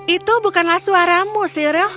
itu bukanlah suaramu cyril